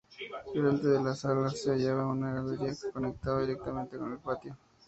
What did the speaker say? Delante de las salas se hallaba una galería que conectaba directamente con el patio.